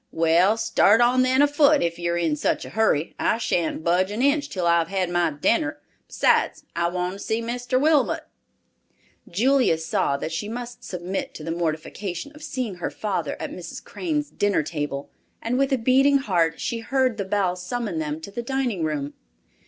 Well, start on then afoot, if you're in such a hurry. I shan't budge an inch till I've had my dinner; besides, I want to see Mr. Wilmot." Julia saw that she must submit to the mortification of seeing her father at Mrs. Crane's dinner table, and with a beating heart she heard the bell summon them to the dining room.